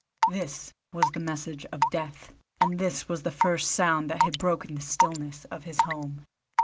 This was the message of Death, and this was the first sound that had broken the stillness of his home.